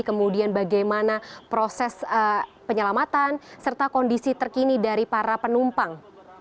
kemudian bagaimana proses penyelamatan serta kondisi terkini dari para penumpang